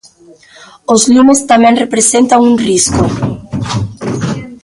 Os lumes tamén representan un risco.